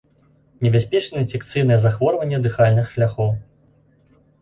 Небяспечнае інфекцыйнае захворванне дыхальных шляхоў.